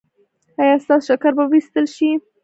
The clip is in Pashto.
ایا ستاسو شکر به وویستل شي؟